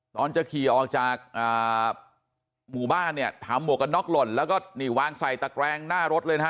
ตอนจะขี่ออกจากหมู่บ้านเนี่ยทำหมวกกันน็อกหล่นแล้วก็นี่วางใส่ตะแกรงหน้ารถเลยนะฮะ